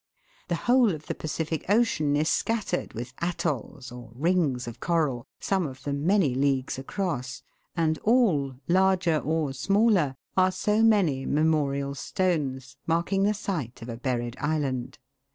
The whole of the Pacific Ocean is scattered with atolls (Fig. 27), or rings of coral, some of them many leagues across ; and all, larger or smaller, are so many memorial stones, marking the site of a buried island.